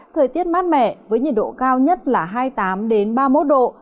thời tiết mát mẻ với nhiệt độ cao nhất là hai mươi tám ba mươi một độ